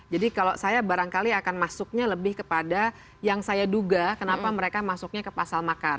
jadi kalau saya barangkali akan masuknya lebih kepada yang saya duga kenapa mereka masuknya ke pasal makar